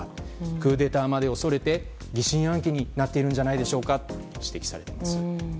クーデターまで恐れて疑心暗鬼になっているんじゃないかと指摘されています。